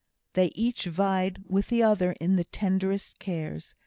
They each vied with the other in the tenderest cares.